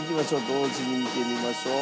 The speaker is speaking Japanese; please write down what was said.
同時に見てみましょう。